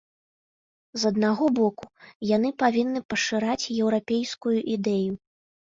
З аднаго боку, яны павінны пашыраць еўрапейскую ідэю.